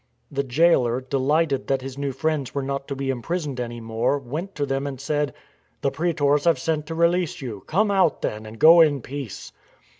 The jailer, delighted that his new friends were not to be imprisoned any more, went to them and said :" The praetors have sent to release you. Come out then, and go in peace."